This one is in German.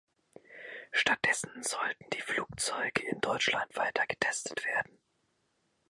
Stattdessen sollten die Flugzeuge in Deutschland weiter getestet werden.